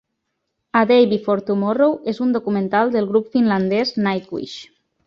"A Day Before Tomorrow" és un documental del grup finlandès Nightwish.